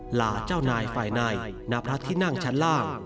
หล่าเจ้านายฝ่ายในณพระที่นั่งชั้นล่าง